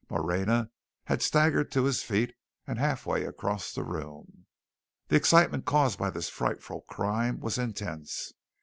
Moreña had staggered to his feet and halfway across the room. The excitement caused by this frightful crime was intense.